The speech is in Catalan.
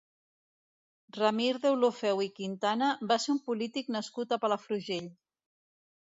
Ramir Deulofeu i Quintana va ser un polític nascut a Palafrugell.